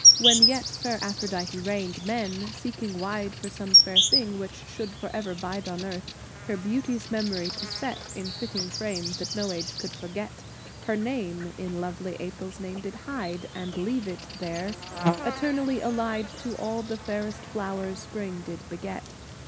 When yet Fair Aphrodite reigned, men seeking wide For some fair thing which should forever bide On earth, her beauteous memory to set In fitting frame that no age could forget, Her name in lovely April's name did hide, And leave it there, eternally allied To all the fairest flowers Spring did beget.